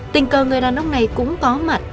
tình cờ người đàn ông này cũng có mặt